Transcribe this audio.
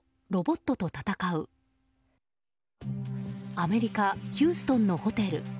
アメリカ・ヒューストンのホテル。